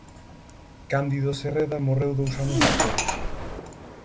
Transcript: Cándido Cerreda morreu dous anos despois.